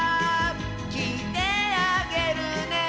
「きいてあげるね」